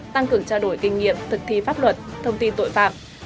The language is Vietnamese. tăng cường trao đổi kinh nghiệm thực thi pháp luật thông tin tội phạm